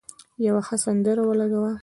یو ښه سندره ولګوه.